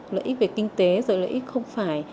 lợi ích về kinh tế rồi lợi ích không phải